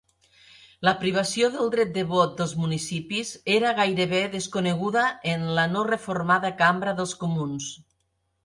La privació del dret de vot dels municipis era gairebé desconeguda en la no reformada Cambra dels Comuns.